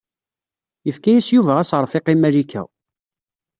Yefka-yas Yuba aseṛfiq i Malika.